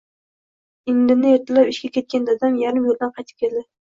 Indini ertalab ishga ketgan dadam yarim yo‘ldan qaytib keldi.